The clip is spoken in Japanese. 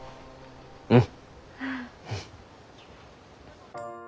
うん。